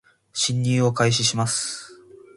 進入を開始します